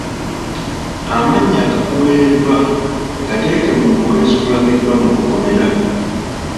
Amannya agakuweereddwa gateeke mu mbu eziragiddwa mu bukomera.